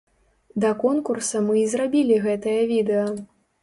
Да конкурса мы і зрабілі гэтае відэа.